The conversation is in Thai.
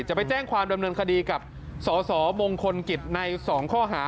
จะไปแจ้งความดำเนินคดีกับสสมงคลกิจใน๒ข้อหา